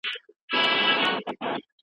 دا مېلمستیا ډېره شانداره وه.